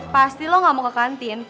pasti lo gak mau ke kantin